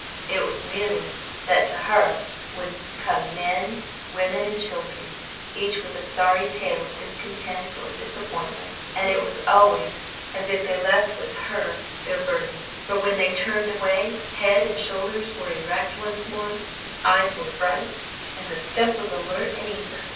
It was merely that to her would come men, women, and children, each with a sorry tale of discontent or disappointment. And it was always as if they left with her their burden, for when they turned away, head and shoulders were erect once more, eyes were bright, and the step was alert and eager.